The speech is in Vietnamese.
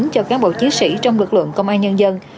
cho cán bộ chiến sĩ trong lực lượng công an nhân dân